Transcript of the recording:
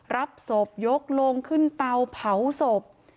รับศพยกโลงขึ้นเตาเผาศพ